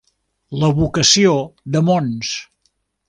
La vocació de Mons.